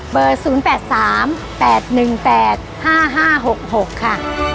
เบอร์ศูนย์แปดสามแปดหนึ่งแปดห้าห้าหกหกค่ะ